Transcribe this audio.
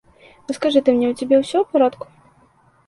А скажы ты мне, у цябе ўсё ў парадку?